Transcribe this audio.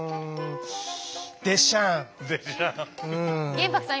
玄白さん